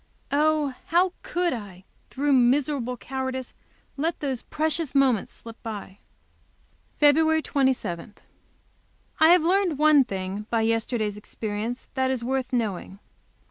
Oh, how could I, through miserable cowardice, let those precious moments slip by! Feb 27. I have learned one thing by yesterday's experience that is worth knowing.